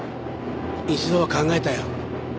一度は考えたよ。